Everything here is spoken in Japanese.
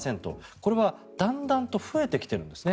これはだんだんと増えてきているんですね。